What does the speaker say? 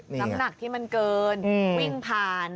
น้ำหนักที่มันเกินวิ่งผ่าน